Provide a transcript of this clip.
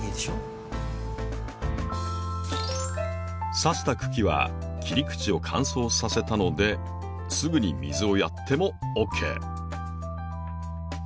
さした茎は切り口を乾燥させたのですぐに水をやってもＯＫ。